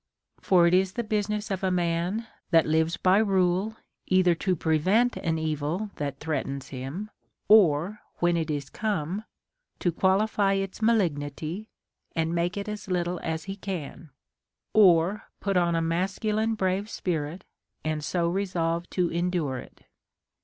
For it is the business of a man that lives by rule, either to pre vent an evil that threatens him, or, when it is come, to qualify its malignity and make it as little as he can, or put on a masculine brave spirit and so resolve to endure it.